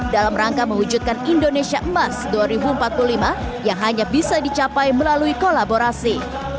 dalam rangka mewujudkan indonesia emas dua ribu empat puluh lima yang hanya bisa dicapai melalui kolaborasi